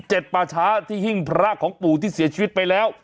ป่าช้าที่หิ้งพระของปู่ที่เสียชีวิตไปแล้ว